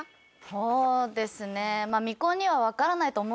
そうですねまあ。